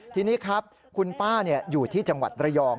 ทีนี้ครับคุณป้าอยู่ที่จังหวัดระยอง